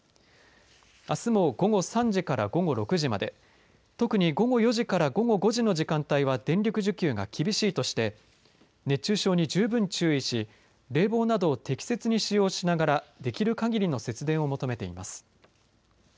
あすも午後３時から午後６時まで特に午後４時から午後５時までの時間帯は電力需給が厳しいとして熱中症に十分注意し冷房などを適切に使用しながらできるかぎりの節電を求めています。